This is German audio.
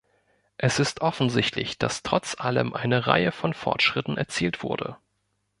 Es ist offensichtlich, dass trotz allem eine Reihe von Fortschritten erzielt wurde.